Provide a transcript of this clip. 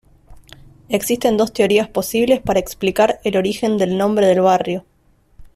Existen dos teorías posibles para explicar el origen del nombre del barrio.